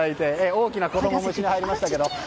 大きな子供も一緒に入りましたけども。